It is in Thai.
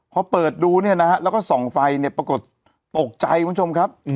พอเปิดดูเนี่ยนะฮะแล้วก็ส่องไฟเนี่ยปรากฏตกใจคุณผู้ชมครับ